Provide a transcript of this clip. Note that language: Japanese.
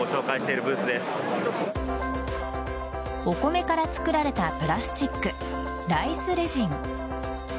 お米から作られたプラスチックライスレジン。